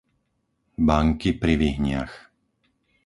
Banky pri Vyhniach